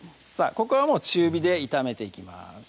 ここはもう中火で炒めていきます